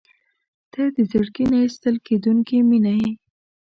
• ته د زړګي نه ایستل کېدونکې مینه یې.